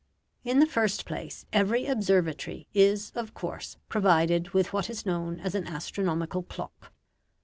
In the first place, every observatory is, of course, provided with what is known as an astronomical clock.